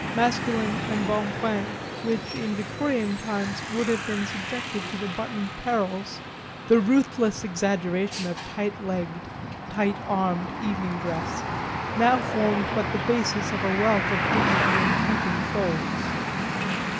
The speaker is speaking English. Masculine embonpoint, which, in Victorian times, would have been subjected to the buttoned perils, the ruthless exaggeration of tight legged tight armed evening dress, now formed but the basis of a wealth of dignity and drooping folds.